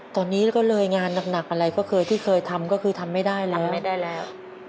ตอนนี้ก็เลยงานหนักอะไรก็คือที่เคยทำก็คือทำไม่ได้แล้ว